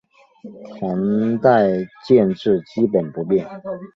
唐代建制基本不变。